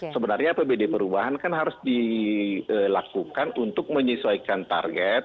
sebenarnya apbd perubahan kan harus dilakukan untuk menyesuaikan target